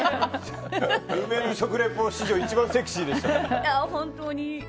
梅の食リポ史上一番セクシーでした。